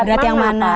berat yang mana